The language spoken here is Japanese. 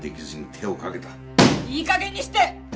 いいかげんにして！